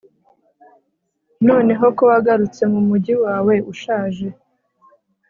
noneho ko wagarutse mu mujyi wawe ushaje